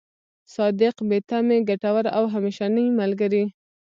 صادق، بې تمې، ګټور او همېشنۍ ملګری.